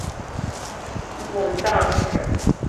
母臧氏。